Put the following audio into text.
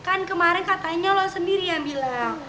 kan kemarin katanya lo sendiri yang bilang